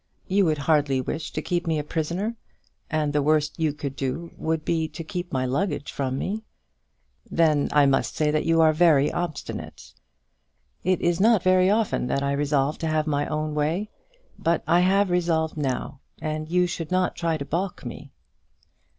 "You would hardly wish to keep me a prisoner, and the worst you could do would be to keep my luggage from me." "Then I must say that you are very obstinate." "It is not very often that I resolve to have my own way; but I have resolved now, and you should not try to balk me."